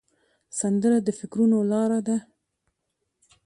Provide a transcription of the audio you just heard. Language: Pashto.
سندره د فکرونو لاره ده